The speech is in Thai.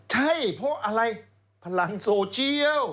ใช่เพราะอะไรพลังโซเชียล